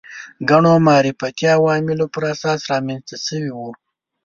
ګڼو معرفتي عواملو پر اساس رامنځته شوي وو